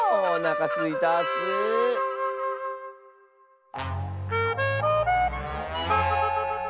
おなかすいたッス。